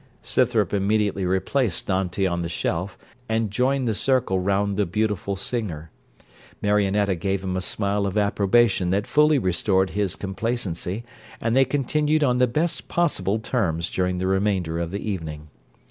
Scythrop immediately replaced Dante on the shelf, and joined the circle round the beautiful singer. Marionetta gave him a smile of approbation that fully restored his complacency, and they continued on the best possible terms during the remainder of the evening.